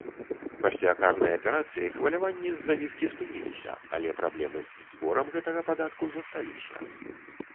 Пасля карнай аперацыі хваляванні з-за віскі спыніліся, але праблемы з зборам гэтага падатку засталіся.